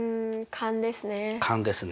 勘ですね。